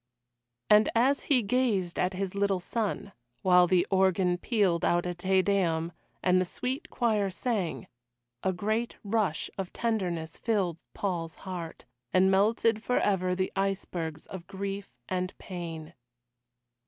And as he gazed at his little son, while the organ pealed out a Te Deum and the sweet choir sang, a great rush of tenderness filled Paul's heart, and melted forever the icebergs of grief and pain.